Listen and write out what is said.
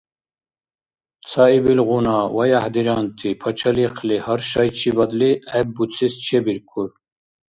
Цаибилгъуна, ваяхӀ диранти пачалихъли гьар шайчибадли гӀеббурцес чебиркур.